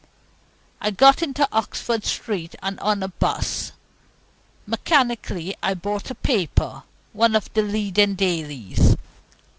I got into Oxford Street and got on a 'bus. Mechanically I bought a paper, one of the leading dailies.